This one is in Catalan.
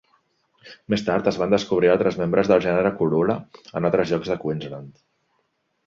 Més tard es van descobrir altres membres del gènere "Cooloola" en altres llocs de Queensland.